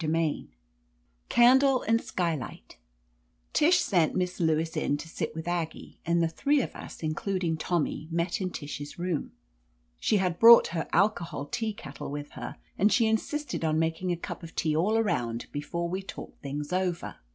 CHAPTER VI CANDLE AND SKYLIGHT TISH sent Miss I^wis in to sit with Ag gie, and the three of us, including Tommy, met in Tish's room. She had brought her alcohol tea kettle with her, and she insisted on making a cup of tea all around before we talked things over.